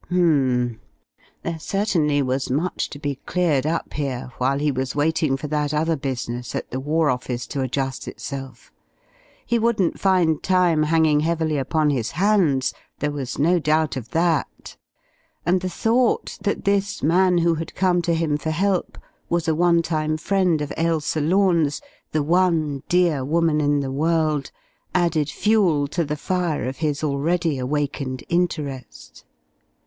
Hmm. There certainly was much to be cleared up here while he was waiting for that other business at the War Office to adjust itself. He wouldn't find time hanging heavily upon his hands there was no doubt of that, and the thought that this man who had come to him for help was a one time friend of Ailsa Lorne's, the one dear woman in the world, added fuel to the fire of his already awakened interest.